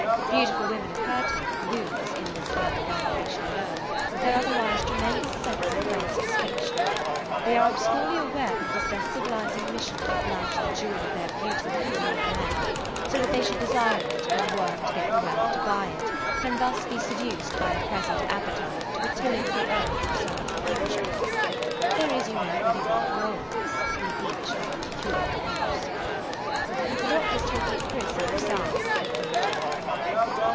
Beautiful women of her type lose, in this matter of admiration alone, their otherwise tremendous sense of class distinction; they are obscurely aware that it is their civilizing mission to flash the jewel of their beauty before all men, so that they shall desire it and work to get the wealth to buy it, and thus be seduced by a present appetite to a tilling of the earth that serves the future. There is, you know, really room for all of us; we each have our peculiar use. "The doctor 's talking to Chris outside," I said.